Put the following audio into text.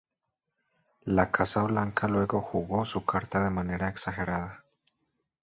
La Casa Blanca luego jugó su carta de manera exagerada.